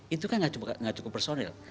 itu kan gak cukup personel